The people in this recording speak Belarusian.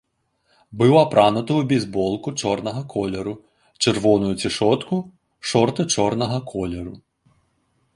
Быў апрануты ў бейсболку чорнага колеру, чырвоную цішотку, шорты чорнага колеру.